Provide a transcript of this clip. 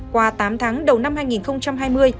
qua tám tháng đầu năm hai nghìn hai mươi